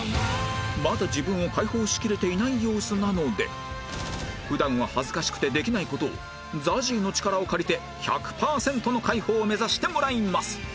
まだ自分を解放しきれていない様子なので普段は恥ずかしくてできない事を ＺＡＺＹ の力を借りて１００パーセントの解放を目指してもらいます